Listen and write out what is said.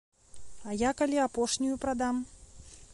А я калі апошнюю прадам?